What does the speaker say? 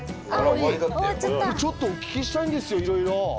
ちょっとお聞きしたいんですよ色々。